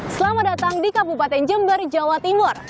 selamat datang di kabupaten jember jawa timur